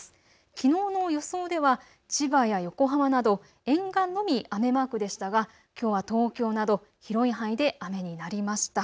きのうの予想では千葉や横浜など沿岸のみ雨マークでしたがきょうは東京など広い範囲で雨になりました。